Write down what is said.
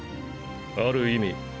ある意味